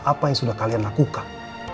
apa yang sudah kalian lakukan